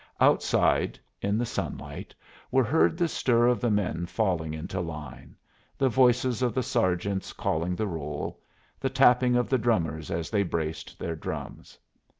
Outside, in the sunlight, were heard the stir of the men falling into line; the voices of the sergeants calling the roll; the tapping of the drummers as they braced their drums.